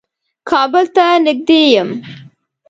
کابل ته نېږدې يم.